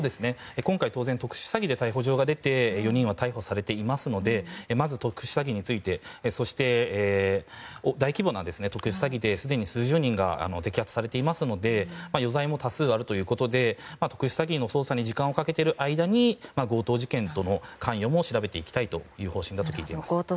今回特殊詐欺で逮捕状が出て４人は逮捕されていますのでまず特殊詐欺についてそして、大規模な特殊詐欺ですでに数十人が摘発されていますので余罪も多数あるということなので特殊詐欺の捜査に時間をかけている間に強盗事件との関与も調べていきたいという方針だということです。